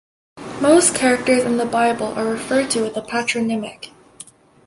Most characters in the Bible are referred to with a patronymic.